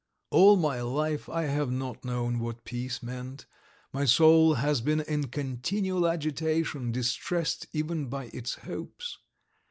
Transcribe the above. All my life I have not known what peace meant, my soul has been in continual agitation, distressed even by its hopes